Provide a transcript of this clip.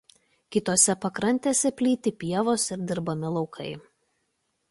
Kitose pakrantėse plyti pievos ir dirbami laukai.